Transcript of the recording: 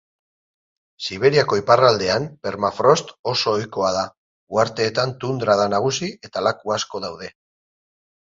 Siberiako iparraldean permafrost oso ohikoa da, uharteetan tundra da nagusi eta laku asko daude.